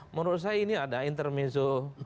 menurut saya ini ada intermesu